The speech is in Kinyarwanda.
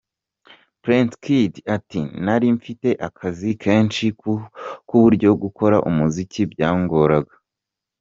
Prince Kid ati :« Nari mfite akazi kenshi ku buryo gukora umuziki byangoraga.